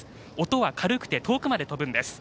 音は軽くて遠くまで飛ぶんです。